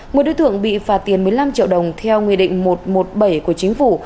một đối tượng bị phạt tiền một mươi năm triệu đồng theo nguyên định một trăm một mươi bảy của chính phủ